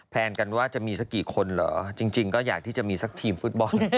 แนนกันว่าจะมีสักกี่คนเหรอจริงก็อยากที่จะมีสักทีมฟุตบอล